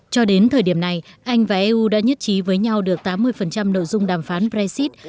cho đến thời điểm này anh và eu đã nhất trí với nhau được tám mươi nội dung đàm phán brexit